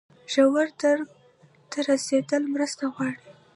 ژور درک ته رسیدل مرسته غواړي.